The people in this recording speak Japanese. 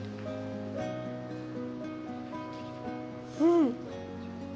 うん！